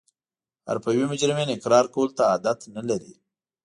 حرفوي مجرمین اقرار کولو ته عادت نلري